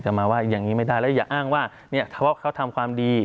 มาว่าอย่างนี้ไม่ได้แล้วอย่าอ้างว่าเนี่ยเฉพาะเขาทำความดี